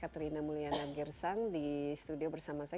katharina muliana girsang di studio bersama saya